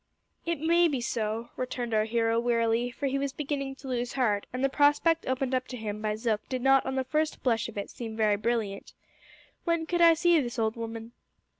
"It may be so," returned our hero wearily, for he was beginning to lose heart, and the prospect opened up to him by Zook did not on the first blush of it seem very brilliant. "When could I see this old woman?"